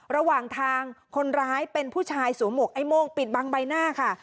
ระหว่างทางคนร้ายเป็นผู้ชายสวมหวกไอ้โม่งปิดบังใบหน้าค่ะ